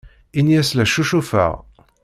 Ini-as la ccucufeɣ.